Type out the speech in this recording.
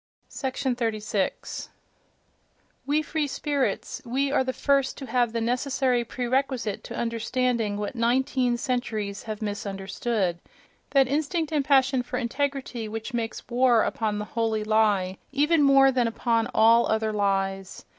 36. —We free spirits—we are the first to have the necessary prerequisite to understanding what nineteen centuries have misunderstood—that instinct and passion for integrity which makes war upon the "holy lie" even more than upon all other lies....